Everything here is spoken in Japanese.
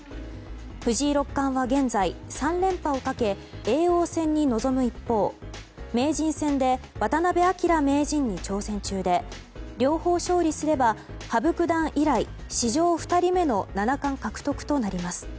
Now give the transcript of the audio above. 藤井六冠は現在３連覇をかけ叡王戦に臨む一方名人戦で渡辺明名人に挑戦中で両方勝利すれば羽生九段以来史上２人目の七冠獲得となります。